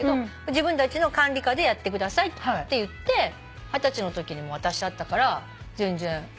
自分たちの管理下でやってくださいって言って二十歳のときに渡しちゃったから全然。